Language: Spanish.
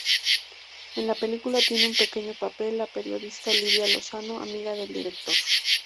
En la película tiene un pequeño papel la periodista Lydia Lozano, amiga del director.